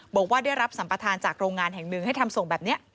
บอกว่าได้รับสัมปทานจากโรงงานแห่งหนึ่งให้ทำส่งแบบนี้